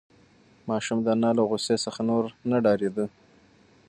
ماشوم د انا له غوسې څخه نور نه ډارېده.